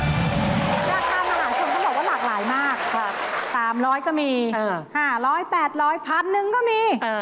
ราคามหาชนเขาบอกว่าหลากหลายมาก๓๐๐ก็มี๕๐๐๘๐๐พันหนึ่งก็มี